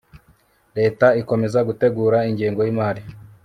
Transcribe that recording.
leta ikomeza gutegura ingengo y'imari